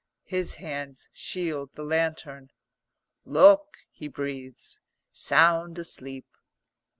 His hands shield the lantern. "Look," he breathes. "Sound asleep.